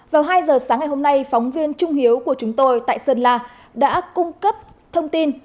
vào hai giờ sáng ngày hôm nay phóng viên trung hiếu của chúng tôi tại sơn la đã cung cấp thông tin